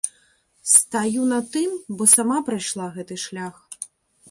Стаю на тым, бо сама прайшла гэты шлях.